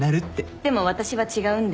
でも私は違うんで。